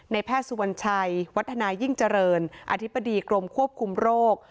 แพทย์สุวรรณชัยวัฒนายิ่งเจริญอธิบดีกรมควบคุมโรค